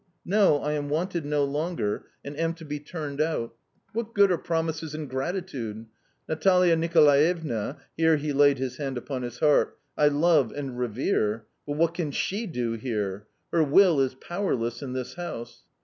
"No, I am wanted no longer, and am to be turned out. What good are promises and gratitude? Natalia Nicolaevna" here he laid his hand upon his heart "I love and revere, but what can SHE I do here? Her will is powerless in this house."